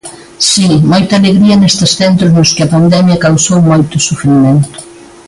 Si, moita alegría nestes centros nos que a pandemia causou moito sufrimento.